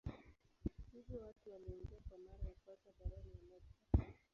Hivyo watu waliingia kwa mara ya kwanza barani Amerika.